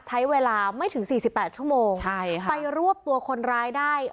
ใช้เวลาไม่ถึงสี่สิบแปดชั่วโมงใช่ค่ะไปรวบตัวคนร้ายได้